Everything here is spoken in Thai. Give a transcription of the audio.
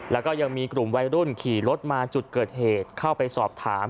แล้วก็ยังมีกลุ่มวัยรุ่นขี่รถมาจุดเกิดเหตุเข้าไปสอบถาม